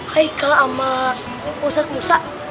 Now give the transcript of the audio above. haikal sama ustaz musa